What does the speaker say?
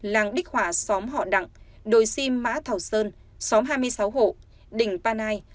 làng đích hỏa xóm họ đặng đồi si mã thảo sơn xóm hai mươi sáu hộ đỉnh panai